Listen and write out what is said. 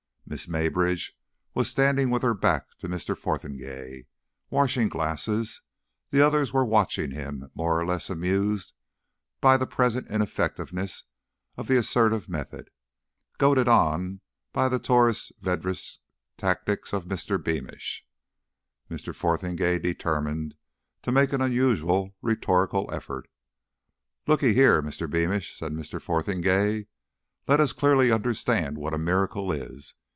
Miss Maybridge was standing with her back to Mr. Fotheringay, washing glasses; the others were watching him, more or less amused by the present ineffectiveness of the assertive method. Goaded by the Torres Vedras tactics of Mr. Beamish, Mr. Fotheringay determined to make an unusual rhetorical effort. "Looky here, Mr. Beamish," said Mr. Fotheringay. "Let us clearly understand what a miracle is.